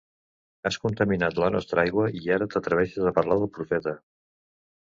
Has contaminat la nostra aigua i ara t'atreveixes a parlar del Profeta.